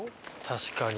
確かに。